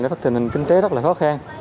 nói chung là tình hình kinh tế rất là khó khăn